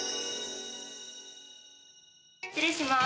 失礼します。